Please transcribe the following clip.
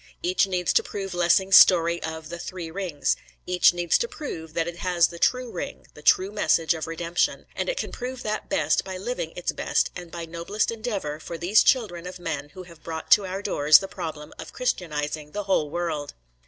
Each needs to prove Lessing's story of the "Three Rings"; each needs to prove that it has the true ring, the true message of redemption, and it can prove that best by living its best, and by noblest endeavour for these children of men who have brought to our doors the problem of Christianizing the whole world.